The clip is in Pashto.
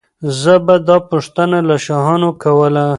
زه به دا پوښتنه له شاهانو کوله.